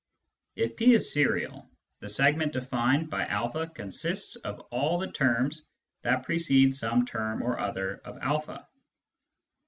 If P is serial, the segment defined by a consists of all the terms that precede some term or other of a.